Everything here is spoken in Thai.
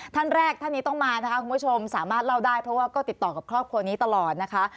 ท่านแรกท่านนี้ต้องมานะคะคุณผู้ชมสามารถเล่าได้เพราะว่าก็ติดต่อกับครอบครัวนี้ตลอดนะคะ